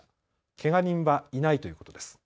けが人はいないということです。